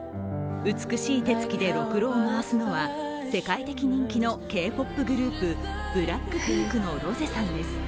美しい手つきでろくろを回すのは世界的人気のＫ−ＰＯＰグループＢＬＡＣＫＰＩＮＫのロゼさんです。